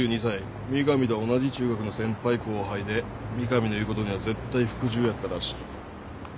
三上とは同じ中学の先輩後輩で三上の言うことには絶対服従やったらしい。